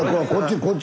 こっち！